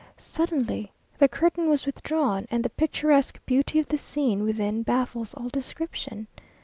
Suddenly the curtain was withdrawn, and the picturesque beauty of the scene within baffles all description.